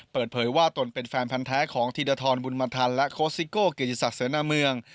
เปิดเผยว่าตนเป็นแฟนพันธ์แท้ของธีรทรบุญมาทันและโค้ชซิโก้เกียรติศักดิเสนาเมือง